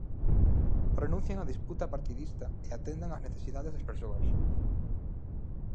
Renuncien á disputa partidista e atendan ás necesidades das persoas.